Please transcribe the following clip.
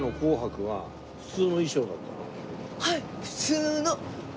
はい。